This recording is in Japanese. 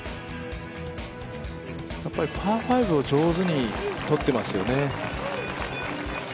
やっぱりパー５を上手にとってますよね。